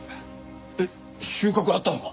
えっ収穫あったのか？